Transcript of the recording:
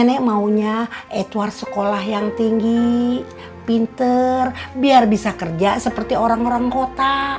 nenek maunya edward sekolah yang tinggi pinter biar bisa kerja seperti orang orang kota